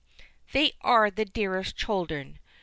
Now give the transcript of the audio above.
"They are the dearest children.